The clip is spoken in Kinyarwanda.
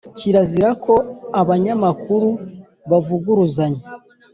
Kirazira ko abanyamakuru bavuguruzanya